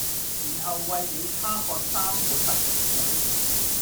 然後餵了她喝三碗蜜糖水